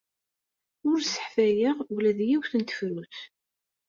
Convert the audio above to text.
Ur sseḥfayeɣ ula d yiwet n tefrut.